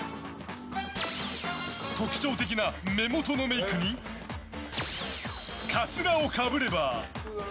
特徴的な目元のメイクにカツラをかぶれば。